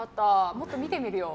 もっと見てみるよ。